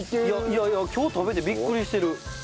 いやいや今日食べてビックリしてる。